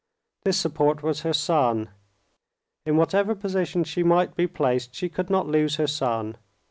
This support was her son. In whatever position she might be placed, she could not lose her son.